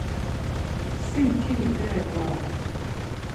Si mtini bere var ore.